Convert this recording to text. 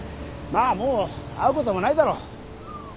まあもう会うこともないだろう。